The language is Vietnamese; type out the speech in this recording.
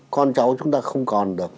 con cháu chúng ta không còn được